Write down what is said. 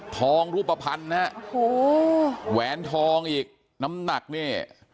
ทองรูปภัณฑ์นะฮะโอ้โหแหวนทองอีกน้ำหนักเนี่ย